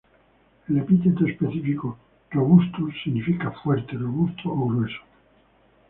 El epíteto específico "robustus" significa fuerte, robusto o grueso.